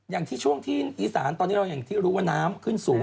อย่างที่ช่วงที่อีสานตอนนี้เราอย่างที่รู้ว่าน้ำขึ้นสูง